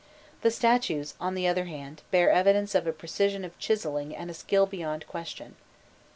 The statues, on the other hand, bear evidence of a precision of chiselling and a skill beyond question.